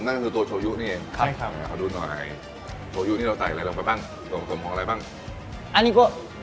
นั่นคือตัวโชยูนี่ครับเอาดูหน่อยโชยูนี่เราใส่อะไรลงไปบ้าง